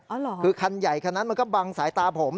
เหรอคือคันใหญ่คันนั้นมันก็บังสายตาผม